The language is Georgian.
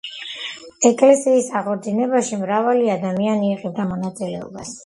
ეკლესიის აღორძინებაში მრავალი ადამიანი იღებდა მონაწილეობას.